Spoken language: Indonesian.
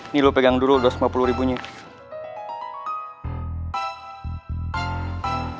nih lo pegang dulu dua ratus lima puluh ribunya